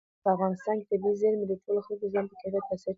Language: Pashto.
په افغانستان کې طبیعي زیرمې د ټولو خلکو د ژوند په کیفیت تاثیر کوي.